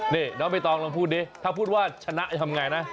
น้องพี่ตองลองพูดดิถ้าพูดว่าชนะจะทำยังไงนะ